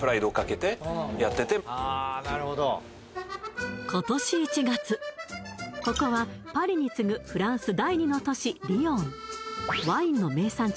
なるほどここはパリに次ぐフランス第二の都市リヨンワインの名産地